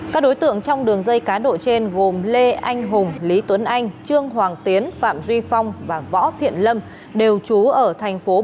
các đối tượng trong đường dây cá độ trên gồm lê anh hùng lý tuấn anh trương hoàng tiến phạm duy phong và võ thiện lâm đều trú ở thành phố